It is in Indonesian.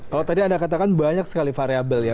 kalau tadi anda katakan banyak sekali variable ya